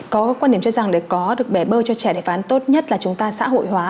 có quan điểm cho rằng để có được bể bơi cho trẻ đại phán tốt nhất là chúng ta xã hội hóa